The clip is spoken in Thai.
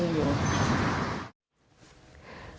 ขอบคุณผู้ชมค่าทีมข่าวของวิทยาลัยแรมนี่